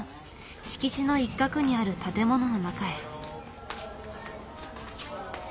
敷地の一角にある建物の中へ。